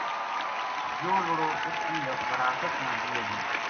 یوہ لُڑو اس کی وراثت نا لیے گو